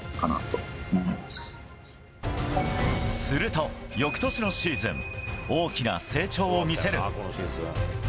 すると、翌年のシーズン大きな成長を見せる。